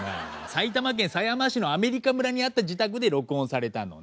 埼玉県狭山市のアメリカ村にあった自宅で録音されたのね。